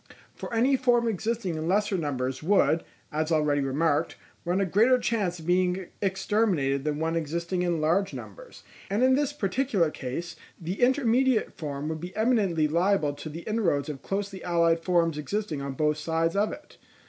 For any form existing in lesser numbers would, as already remarked, run a greater chance of being exterminated than one existing in large numbers; and in this particular case the intermediate form would be eminently liable to the inroads of closely allied forms existing on both sides of it.